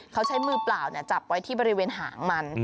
เขาใช้มือเปล่าจับไว้ที่บริเวณหางมัน